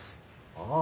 ああ。